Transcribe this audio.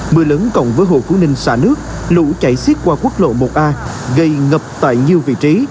mưa lớn cộng với hồ phú ninh xã nước lũ chảy xiết qua quốc lộ một a gây ngập tại nhiều vị trí